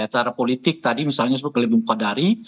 cara politik tadi misalnya sebuah kelembung kodari